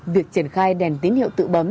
việc triển khai đèn tín hiệu tự bấm